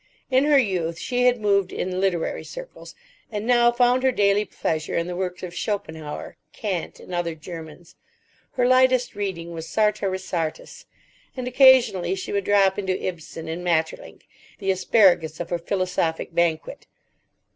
In her youth she had moved in literary circles, and now found her daily pleasure in the works of Schopenhauer, Kant, and other Germans. Her lightest reading was Sartor Resartus, and occasionally she would drop into Ibsen and Maeterlinck, the asparagus of her philosophic banquet.